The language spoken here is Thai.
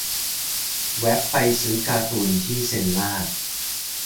แว่บไปซื้อการ์ตูนที่เซ็นลาด